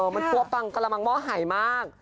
มันกลัวปังกระลำม่อหายมาก